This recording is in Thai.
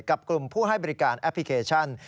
กับกลุ่มผู้ให้บริการแอปพลิเคชัน